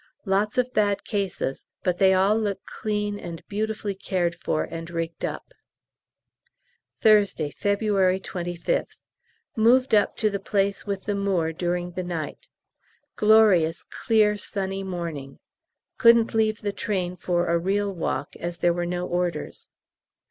Lots of bad cases, but they all look clean and beautifully cared for and rigged up. Thursday, February 25th. Moved up to the place with the moor during the night. Glorious, clear, sunny morning. Couldn't leave the train for a real walk, as there were no orders.